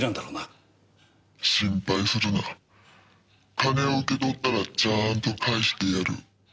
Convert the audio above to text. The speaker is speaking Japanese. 「心配するな」「金を受け取ったらちゃんと返してやる」